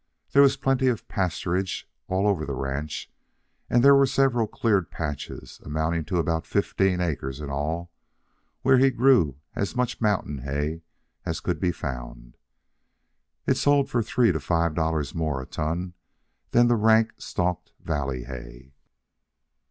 There was plenty of pasturage all over the ranch, and there were several cleared patches, amounting to about fifteen acres in all, where he grew as much mountain hay as could be found. It sold for three to five dollars more a ton than the rank stalked valley hay.